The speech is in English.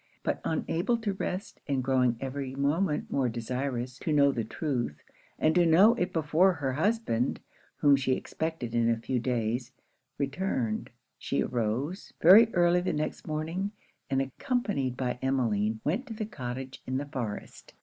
But unable to rest, and growing every moment more desirous to know the truth, and to know it before her husband, whom she expected in a few days, returned, she arose very early the next morning, and, accompanied by Emmeline, went to the cottage in the forest.